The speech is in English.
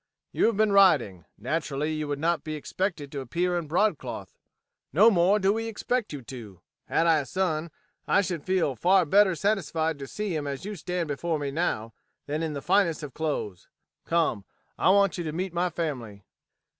You have been riding. Naturally you would not be expected to appear in broadcloth. No more do we expect you to. Had I a son, I should feel far better satisfied to see him as you stand before me now, than in the finest of clothes. Come, I want you to meet my family."